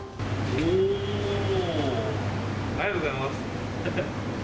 おー、ありがとうございます。